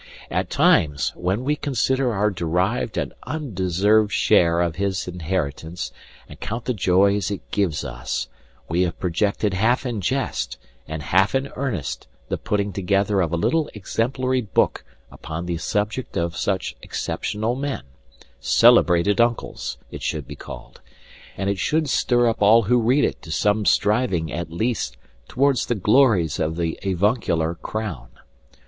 At times, when we consider our derived and undeserved share of his inheritance and count the joys it gives us, we have projected half in jest and half in earnest the putting together of a little exemplary book upon the subject of such exceptional men: Celebrated Uncles, it should be called; and it should stir up all who read it to some striving at least towards the glories of the avuncular crown.